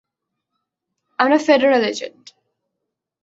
আমরা federal agent!